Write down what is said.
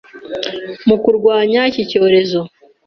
mu kurwanya iki cyorezo